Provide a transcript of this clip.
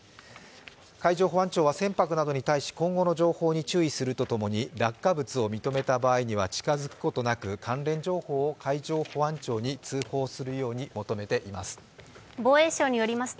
海上保安庁は船舶などに対し今後の情報に注意するとともに落下物を認めた場合には近づくことなく関連情報を海上保安庁に通報するよう求めています。